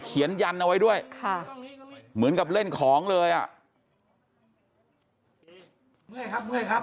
เขียนยันต์เอาไว้ด้วยเหมือนกับเล่นของเลยอ่ะ